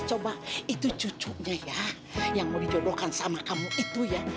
coba itu cucunya ya yang mau dijodohkan sama kamu itu ya